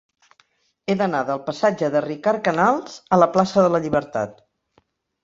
He d'anar del passatge de Ricard Canals a la plaça de la Llibertat.